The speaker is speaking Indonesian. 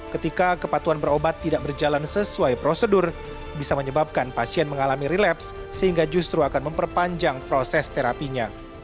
ketika kepatuhan berobat tidak berjalan sesuai prosedur bisa menyebabkan pasien mengalami relapse sehingga justru akan memperpanjang proses terapinya